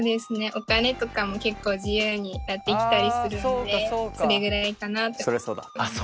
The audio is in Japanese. お金とかも結構自由になってきたりするんでそれぐらいかなって思います。